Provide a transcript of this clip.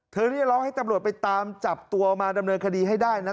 เรียกร้องให้ตำรวจไปตามจับตัวมาดำเนินคดีให้ได้นะ